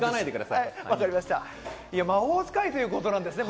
魔法使いということなんですね？